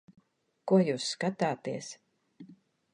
Ko jūs skatāties?